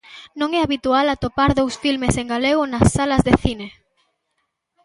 Non é habitual atopar dous filmes en galego nas salas de cine.